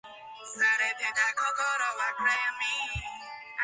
パーパス